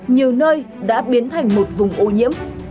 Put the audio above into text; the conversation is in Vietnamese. nhiều nơi đã biến thành một vùng ô nhiễm